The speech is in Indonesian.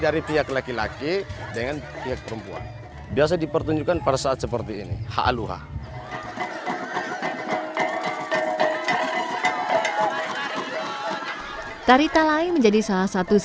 rezekinya bagus tidak kena sakit